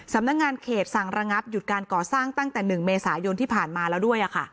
สำนักงานเขตสั่งระงับหยุดการก่อสร้างตั้งแต่๑เมษายนที่ผ่านมาแล้วด้วย